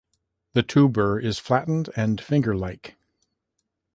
The tuber is flattened and finger-like.